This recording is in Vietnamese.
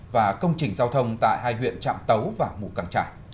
và công trình giao thông tại hai huyện trạm tấu và mù căng trải